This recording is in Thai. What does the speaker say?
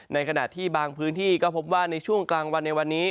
ในขณะที่บางพื้นที่ก็พบว่าในช่วงกลางวันในวันนี้